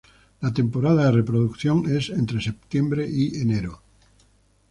La temporada de reproducción es entre septiembre y enero.